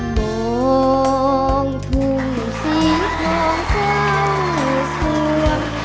มองทุ่งสีทองเจ้าส่วน